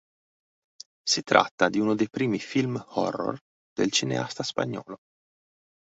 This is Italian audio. Si tratta di uno dei primi film horror del cineasta spagnolo.